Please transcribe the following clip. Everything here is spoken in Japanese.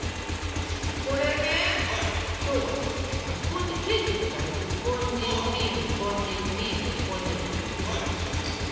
これね今日はですねケーキってさ普通スポンジクリームスポンジクリームスポンジみたいにするじゃないケーキって。